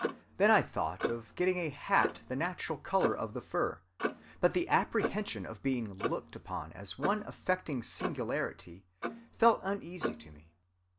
Then I thought of getting a hat the natural color of the fur, but the apprehension of being looked upon as one affecting singularity felt uneasy to me.